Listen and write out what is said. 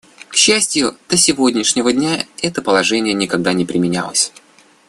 К счастью, до сегодняшнего дня это положение никогда не применялось.